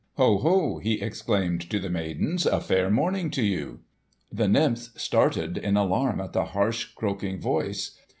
"Ho, ho!" he exclaimed to the maidens. "A fair morning to you!" The nymphs started in alarm at the harsh, croaking voice.